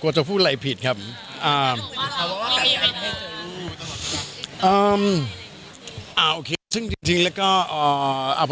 กลัวจะพูดอะไรผิดครับ